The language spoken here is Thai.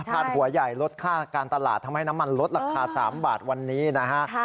หัวใหญ่ลดค่าการตลาดทำให้น้ำมันลดราคา๓บาทวันนี้นะฮะ